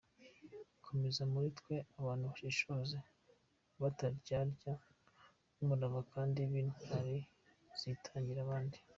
Komeza muri twe abantu bashishoza, bataryarya, b’umurava kandi b’intwari zitangira abandi.